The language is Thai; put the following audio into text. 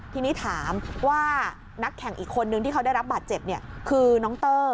ทีนี้ถามว่านักแข่งอีกคนนึงที่เขาได้รับบาดเจ็บคือน้องเตอร์